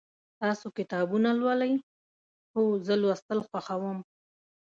تاسو کتابونه لولئ؟ هو، زه لوستل خوښوم